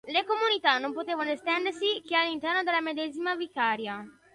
Le comunità non potevano estendersi che all'interno della medesima vicaria.